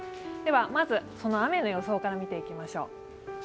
まず、雨の予想から見ていきましょう。